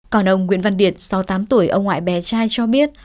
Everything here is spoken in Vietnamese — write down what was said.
còn ông nguyễn văn điệt sau tám tuổi ông ngoại bé trai cho biết